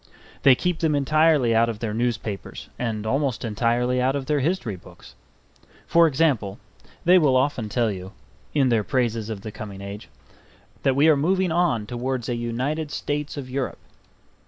They keep them entirely out of their newspapers and almost entirely out of their history books. For example, they will often tell you (in their praises of the coming age) that we are moving on towards a United States of Europe.